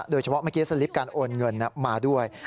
โดยเฉพาะเมื่อกี้สลิปการโอนเงินมาด้วย